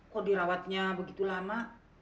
kok dirawatnya begitu lama